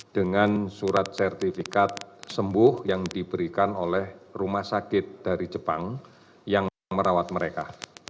dengan surat sertifikat sembuh yang diberikan oleh rumah sakit dari jepang yang merawat mereka